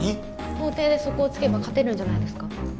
法廷でそこを突けば勝てるんじゃないですか？